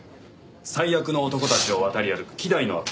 「最悪の男たちを渡り歩く稀代の悪女」。